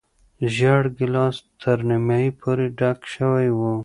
زېړ ګیلاس تر نیمايي پورې ډک شوی و.